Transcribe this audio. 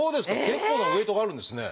結構なウエイトがあるんですね。